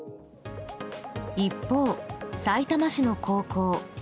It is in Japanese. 一方、さいたま市の高校。